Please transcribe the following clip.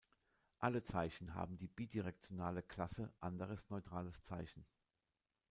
Alle Zeichen haben die bidirektionale Klasse „Anderes neutrales Zeichen“.